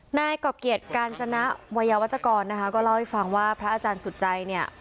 หน้ากรอบเกียรติการจนะไว้ยาววัธกรก็เล่าให้ฟังว่าพระอาจารย์สุดใจ